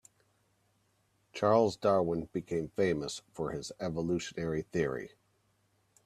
Charles Darwin became famous for his evolutionary theory.